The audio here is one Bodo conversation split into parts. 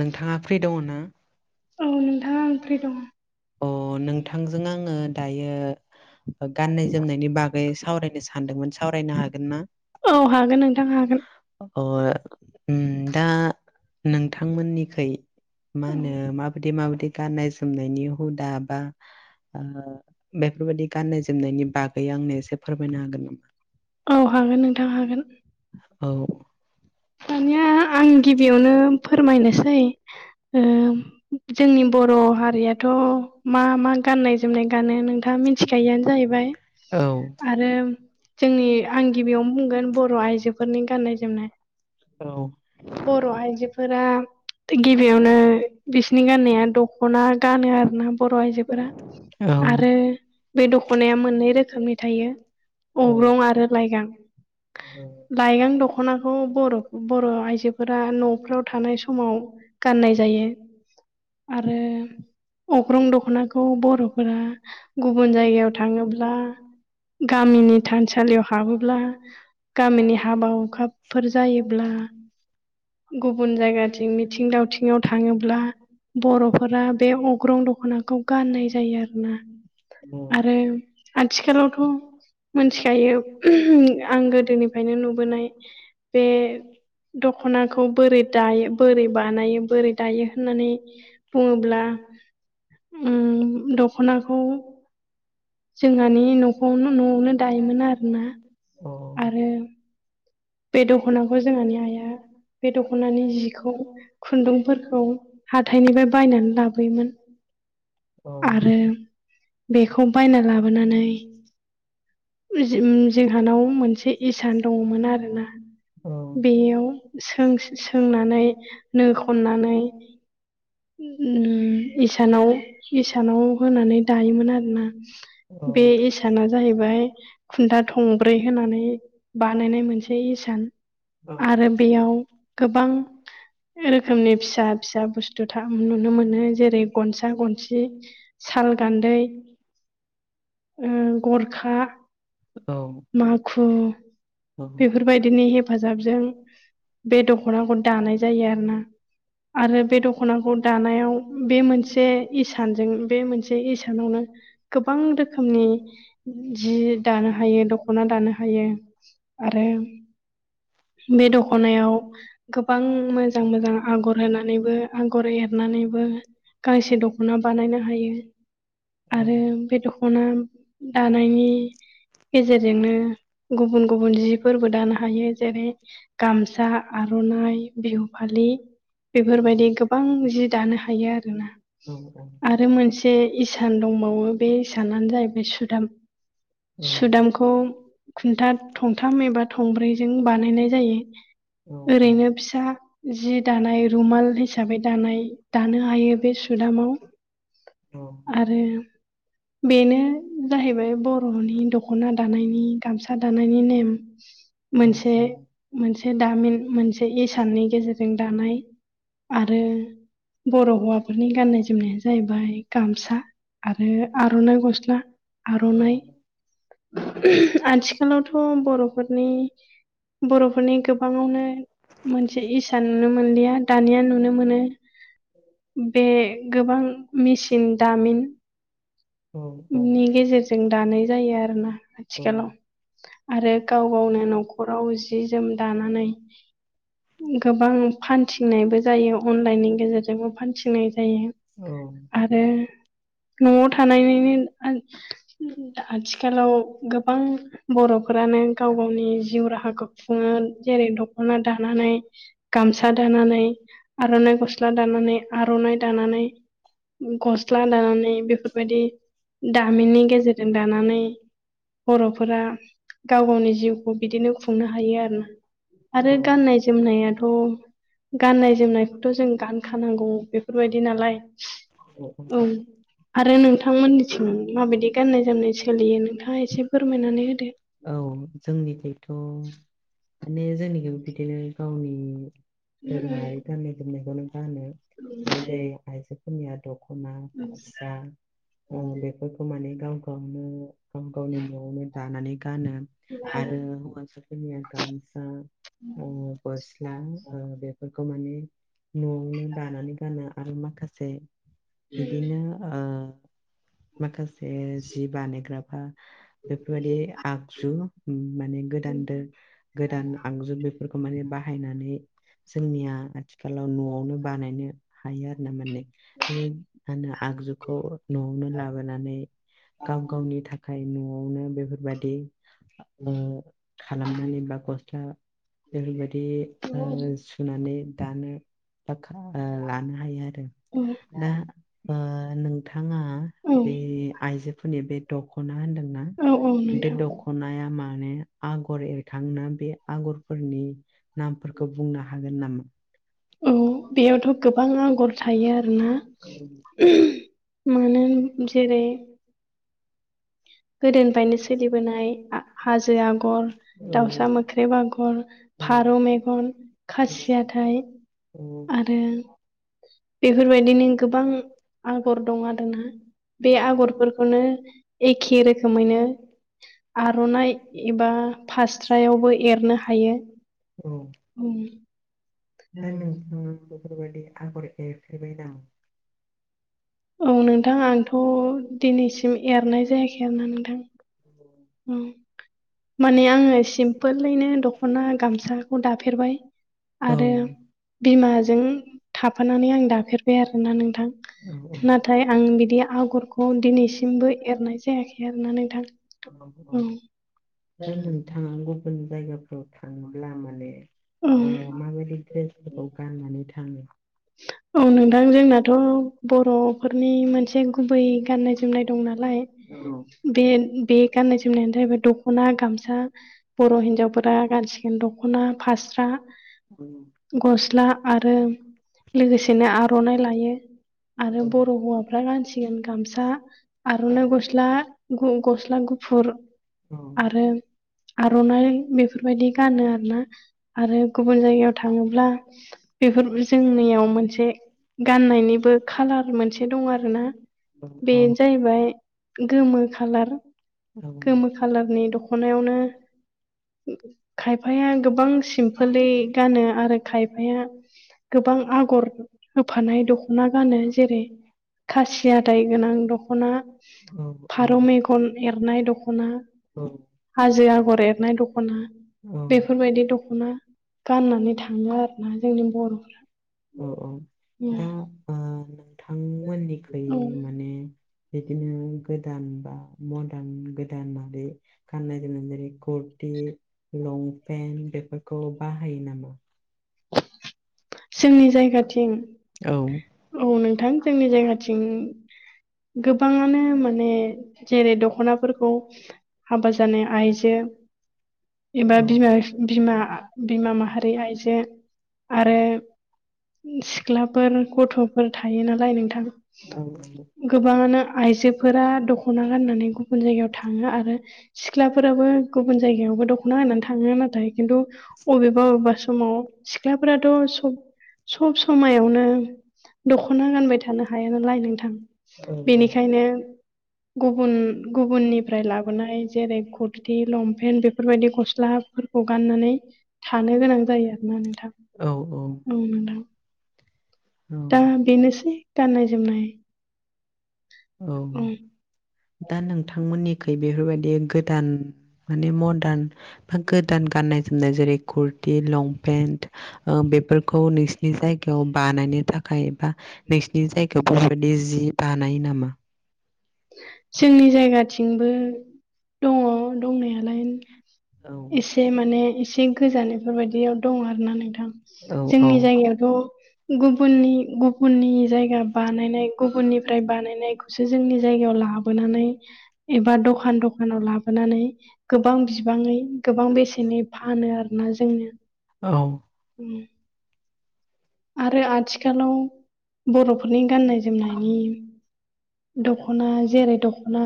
नोंथाङा फ्रि दङ ना? औ नोंथां आङो फ्रि दंङ। आङो दायो गाननाय जोमनायनि बागै सावरायनो सानदोंमोन। सावरायनो हागोन ना? दा नोंथांमोननिखै मा होनो माबायदि माबायदि गाननाय जोमनायनि हुदा बा ओ बेफोरबायदि गाननाय जोमनायनि बागै आंनो एसे फोरमायनो हागोन नामा? औ हागोन नोंथां हागोन। औ। दानिया आं गिबियावनो फोरमायनोसै ओ जोंनि बर' हारियाथ' थ' मा मा गाननाय जोमनाय गानो नोंथाङा मिथिखायोआनो जाहैबाय। आरो जोंनि आं गिबियावनो बुंगोन बर' आइजोफोरनि गाननाय जोमनाय। औ। बर' आइजोफोरा गिबियावनो बिसिनि गाननाया दख'ना गानो आरोना बर' आइजोफोरा। आरो बे दख'नाया मोननै रोखोमनि थायो अब्रं आरो लाइगां। [unintelligible] बर' बर' आइजोफोरा न'फ्राव थानाय समाव गाननाय जायो। आ अख्रं दख'नाखौ बर'फोरा गुबुन जायगायाव थाङोब्ला गामिनि थानसालियाव हाबोब्ला गामिनि हाबा हुखा जायोब्ला गुबुन जायगाथिं मिथिं दावथिङाव थाङोब्ला [unintelligible] आथिखालाव मोनथिखायो आं गोदोनिफ्रायनो नुबोनाय बे दख'नाखौ बोरै दायो बोरै बानायो बोरै दायो होननानै बुङोब्ला [unintelligible] [inaudible] जोंहानि नखवनो न'आवनो दायोमोन आरोना आरो बे दख'नाखौ जोंहानि आइया बे दख'नानि जिखौ खुन्दुंफोरखौ हाथथायनिफ्राय बायनानै लाबोयोमोन। औ बेखौ बायना जोन [unintelligible] जोंहानाव मोनसे इसान दङमोन आरो ना बेयाव स सोंनानै नो खननानै इसानाव इसानाव होनानै दायोमोन आरो ना बे बे इसाना जाहैबाय खुन्था थंब्रै होनानै बानायनाय मोनसे इसान आरो बेयाव गोबां रोखोमनि फिसा फिसा बुस्थु नुनो मोनो जेरै गनसा-गनसि साल, गान्दै औ बेफोरबायदिनि हेफाजाबजों बे दख'नाखौ दानाय जायो आरोना आरो बे दखना खौ दानायाव बे मोनसे इसानजों बे मोनसे इसानावनो गोबां रो खोमनि जि दानो हायो दखना दानो हायो। आरो बे दखनायाव गोबां मोजां मोजां आगर होनानैबो आ गर एरनानैबो गांसे दख'ना बानायनो हायो। आरो बे दख'ना दानायनि गेजेरजोंनो गुबुन गु बुन जिफोरबो दानो हायो जेरै गामसा, आर'नाइ, बिहु फालि बेफोरबायदि गोबां गोबां जि दानो हायो आरोोना आरो मोनसे इसान दंबावो बे इसाना जाहैबाय सुदाम सुदाम खौ कुनता थंथाम एबा थंब्रैजों बानायनाय जायो। ओरैनो फिसा जि दानाय रुुमाल हिसाबै दानाय दानो हायो बे सुदामाव आरो बेनो जाहैबाय बर'नि दख'ना दानायनि गामसा दा नायनि नेम मोनसे मोनसे दामिन मोनसे इसाननि गेजेरजों दानाय आरो बर' हौवाफोरनि गाननाय जोमनाया जाहैबाय गामसा आरो आर'नाइ गस्ला आर'नाइ आथिखाल लावथ' बर'फोरनि बर'फोरनि गोबाङावनो मोनसे इसा नुनो मोनलिया दानिया नुनो मोनो बे गोबां मेचिन दामिन नि गेजेरजों दानाय जायो आरोना आथिखालाव आरो गाव गावनो न'खराव जि जोम दानानै गोबां फानथिंनायबो जायो। अनलाइननि गेजेरजोंबो फान्थिंनाय जायो आरो न'आव थानायनो आथिखालाव गोबां बर'फोरानो गाव गावनि जिउ राहाखौ खुङो जेरै दख'ना दानानै गाम सा दानानै आर'नाइ गस्ला दानानै आर'नाइ दानानै गस्ला दानानै बेफोरबायदि दामिननि गेजेरजों दानानै बर'फोरा गाव गावनि जिउखौ बिदिनो खुंनो हायो आरोना आरो गाननाय जोमनायाथ' गाननाय जोम थ' जों गान खानांगौ बेफोरबायदि नालाय। [inaudible] आरो नोंथांमोननिथिं माबायदि गाननाय-जोमनाय सोलियो नोंथाङा एसे फोरमायनानै होदो। औ जोंनिथिंथ' माने जोंनिखैबो बिदिनो गावनि [inaudible] नायखौनो गानो जेरै आइजोफोरनिया दख' ना फास्रा ओ बेफोरखौ माने गाव गावनो गाव गावनि न'आवनो दानानै गानो आरो हौवासाफोरनिया गामसा ओ गसला ओ बे फोरखौ माने न'आवनो दानानै गानो आरो माखासे बिदिनो ओ माखासे जि बानायग्राफा बेफोरबायदि आगजु उम माने गोदान दो गोदान आगजु बे फोरखौ माने बाहायनानै जोंनिया आथि खालाव न'आवनो बानायनो हायो आरो ना माने बे मा होनो आगजुखौ न'आवनो लाबोनानै गाव गावनि थाखाय न'आवनो बेफोरबायदि ओ खालामनानै बा गस्ला बेफोरबायदि ओ सुनानै दानो बा लानो हायो आरो दा ओ नोंथां बिथाङा बे आइजोफोरनि बे दखना मा होनदोंना बे दखनाया मा माने आगर एरखांना बे आगरफोरनि नामफोरखौ बुंनो हागोन नामा? औ बेयावथ' गोबां आगर थायो आरोना। [unintelligible] [unintelligible] जेरै गोदोनिफ्रायनो सोलिबोनाय हाजो आग'र दाउसा मोख्रेब आगर फारौ मेगन खासि हाथाय आरो बेफोरबायदिनो गोबां आगर दं आरोना। बे आगरफोरखौनो एखे रोखोमैनो आर'नाइ एबा फास्रायावबो एरनो हायो। उम दा नोंथांआ बेफोरबायदि आगर एरफेरबाय दां औ नोंथां आंथ' दिनैसिम एरनाय जायाखै आर ना नोंथां। [unintelligible] उम माने आङो सिमपोलैनो दख'ना गामसाखौ दाफेरबाय। [unintelligible] बिमाजों थाफानानै आं दाफेरबाय आरोना नोंथां। नाथाय आं बिदि आगरखौ दिनैसिमबो एरनाय जायाखै आरोना नोंथां [unintelligible] नोंथाङा गुबुन जायगाफोराव थाङोब्ला माने उम बै द्रेसफोरखौ गाननानै थाङो [unintelligible] औ नोंथां जोंनाथ' बर'फोरनि मोनसे गुबै गाननाय जोमनाय दं नालाय औ बे-बे गाननाय जोमनायानो थाहैबाय दख'ना गामसा बर' हिनजावफोरा गा सिगोन दख'ना फास्रा औ [unintelligible] लोगोसेनो आर'नाइ लायो आरो बर' हौवाफ्रा गानसिगोन गामसा आर'नाइ गस्ला ग-गस्ला गु फुर आरो आर'नाइ बेफोरबायदि गानो आरो ना आरो गुबुन जायगायाव थाङोब्ला बेफोर जोंनियाव मोनसे गाननायनिबो खालार मोनसे दं आरोना [unintelligible] गोमो खालारनि दखनायावनो खायफाया गोबां सिम फोलै गानो आरो खायफाया गोबां आगर होफानाय दख'ना गानो जेरै खासिया [unintelligible] औ औ [unintelligible] एरनाय दख'ना हाजो आगर एरनाय दख'ना बेफोरबायदि दख'ना गाननानै थाङो आरो ना जोंनि बर'फ्रा अ औ दा ओ नों थांमोननिखै माने बिदिनो गो दान बा मर्डान गोदान मादि गाननाय जोमनाय जेरै करथि लं फेन बेफोरखौ बाहायो नामा? जोंनि जायगाथिं, औ नोंथां जोंनि जायगाथिं गोबाङानो माने जेरै दख'नाफोरखौ हाबा जानाय आइजो एबा बिम- बिमा -बिमा माहारि आइजो आरो [unintelligible] सिख्लाफोर, गथ'फोर थायो नालाय नोंथां। गोबाङानो आइजो [unintelligible] दख'ना गाननानै गुबुन जायगायाव थाङो आरो सिख्लाफोराबो गुबुन जायगायावबो दखना गानानै थाङो। नाथाय खिन्थु अबेबा -अबेबा समाव सिख्लाफोराथ' सब सब समायावनो दख'ना गानबाय थानो हाया नालाय नोंथां। बेनिखायनो गुबुन -गुबुननिफ्राय लाबोनाय, जेरै कुर्थि, लंपेन्ट बेफोरबायदि गस्ला [unintelligible] गाननानै थानो गोनां जायो आरोना नोंथां। औ औ। नोंथां दा बेनोसै गाननाय -जोमनाय ओं। दा नोंथांमोननिखै बेफोरबायदि गोदान माने मर्दान [unintelligible] गोदान गाननाय [unintelligible] जोमनाय जेरै कुरटि, लंपेन्ट ओ बेफोरखौ नोंसिनि जायगायाव बानायनो थाखाय थाखायबा, नोंसिनि जायगायाव बेफोरबायदि जि बानायो नामा? जोंनि जायगाथिंबो दङ दंनायालाय। एसे माने एसे गोजानफोरबायदियाव दं आरो ना नोंथां। जोंनि जायगायाव [unintelligible] गुबुननि -गुबुननि जायगा बानायनाय गुबुननिफ्राय बानायनायखौसो जोंनि जायगायाव लाबो [unintelligible] एबा दखान- दखानाव लाबोनानै गोबां बिबाङै गोबां बेसेनै फानो आरो ना जोंनो। औ। उम। आरो आथिखालाव बर'फोरनि गाननाय -जोमनायनि दख'ना जेरै दख'ना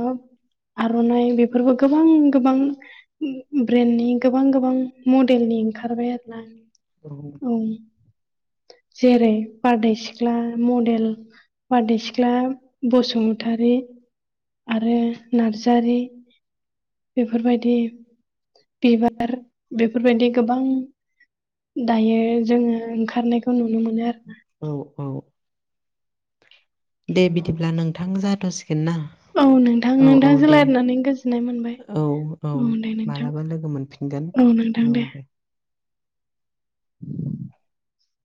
आर'नाइ बेफोरबो गोबां -गोबां ब्रेन्डनि गोबां -गोबां मडेलनि ओंखारबाय आरो ना औ। [unintelligible] [unintelligible] [unintelligible] बेफोरबायदि बिबार, बेफोरबायदि गोबां दायो जोङो ओंखारनायखौ नुनो मोनो आरो ना। दे बिदिब्ला नोंथां जाथ'सिगोन। औ नोंथां, नोंथांजों रायनानै गोजोननाय [unintelligible] औ -औ, मालाबा लोगो मोनफिनगोन। औ दे।